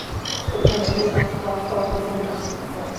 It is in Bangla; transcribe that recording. প্রত্যুষে আমি বাইতুল্লাহর তওয়াফ করতে মসজিদে হারামে গেলাম।